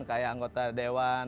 kayak anggota dewan